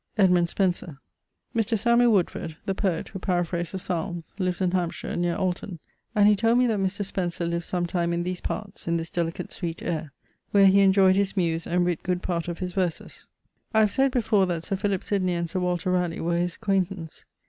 Edmund Spenser: Mr. Samuel Woodford (the poet, who paraphras'd the Psalmes) lives in Hampshire neer Alton, and he told me that Mr. Spenser lived sometime in these parts, in this delicate sweet ayre; where he enjoyed his muse, and writt good part of his verses. I have said before that Sir Philip Sydney and Sir Walter Ralegh were his acquaintance.